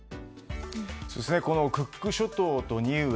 このクック諸島とニウエ